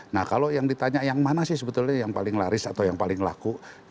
nah kalau yang ditanya yang mana sih sebetulnya yang paling laris atau yang paling laku